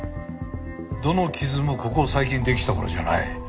どの傷もここ最近できたものじゃない。